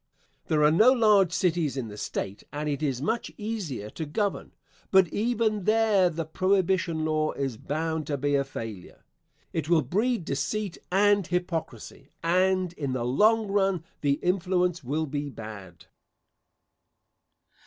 There are no large cities in the State and it is much easier to govern, but even there the prohibition law is bound to be a failure. It will breed deceit and hypocrisy, and in the long run the influence will be bad.